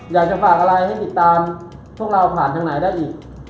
อยากจะฝากอะไรให้ติดตามพวกเราผ่านทางไหนได้อีก